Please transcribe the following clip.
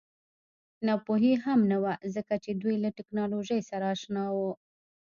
ناپوهي هم نه وه ځکه چې دوی له ټکنالوژۍ سره اشنا وو